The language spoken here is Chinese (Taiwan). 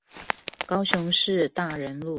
高雄市大仁路